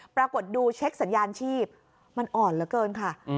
ปรากฏดูเช็คสัญญาณชีพมันอ่อนเหลือเกินค่ะ